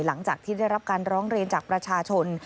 หลังจากที่ได้รับการร้องเรียนจากประชาชน